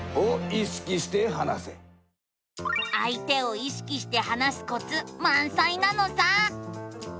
あい手を意識して話すコツまんさいなのさ。